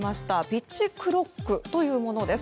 ピッチクロックというものです。